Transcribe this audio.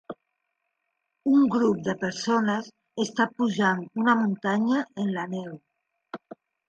Un grup de persones està pujant una muntanya en la neu.